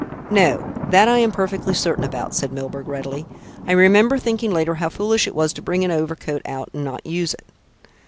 "No, that I am perfectly certain about," said Milburgh readily. "I remember thinking later how foolish it was to bring an overcoat out and not use it."